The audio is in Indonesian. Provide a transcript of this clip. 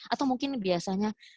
atau mungkin biasanya